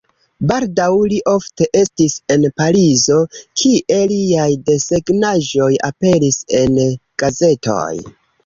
Baldaŭ li ofte estis en Parizo, kie liaj desegnaĵoj aperis en gazetoj.